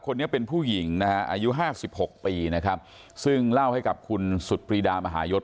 คนนี้เป็นผู้หญิงนะฮะอายุห้าสิบหกปีนะครับซึ่งเล่าให้กับคุณสุดปรีดามหายศ